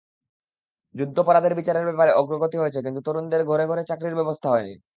যুদ্ধাপরাধের বিচারের ব্যাপারে অগ্রগতি হয়েছে কিন্তু তরুণদের ঘরে ঘরে চাকরির ব্যবস্থা হয়নি।